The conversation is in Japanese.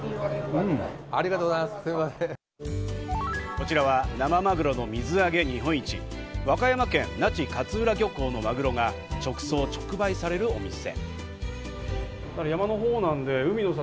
こちらは生マグロの水揚げ日本一、和歌山県那智勝浦漁港のマグロが直送・直売されるお店。